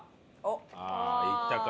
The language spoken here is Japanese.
ああいったか。